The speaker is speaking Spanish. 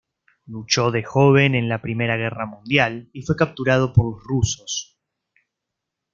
Luchó de joven en la primera guerra mundial, y fue capturado por los rusos.